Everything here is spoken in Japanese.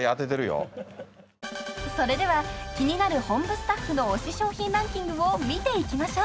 ［それでは気になる本部スタッフの推し商品ランキングを見ていきましょう］